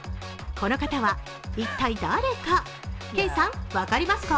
この方は一体誰かケイさん、分かりますか？